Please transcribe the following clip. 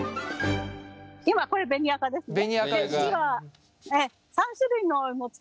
今これ紅赤ですね。